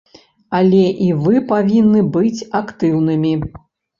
Але і вы павінны быць актыўнымі.